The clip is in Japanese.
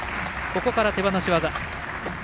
ここから手放し技。